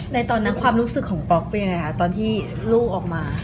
ตอนนั้นความรู้สึกของป๊อกเป็นยังไงคะตอนที่ลูกออกมา